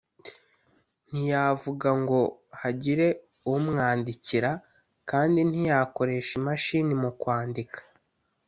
ntiyavuga ngo hagire umwandikira, kandi ntiyakoresha imashini mu kwandika.